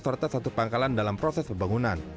serta satu pangkalan dalam proses pembangunan